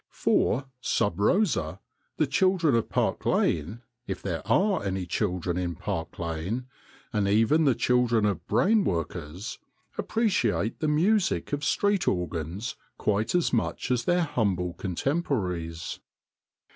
For, sub rosa, the children of Park Lane if there are any children in Park Lane and even the children of " brain workers," appreciate the music of street organs quite as much as their humble contemporaries.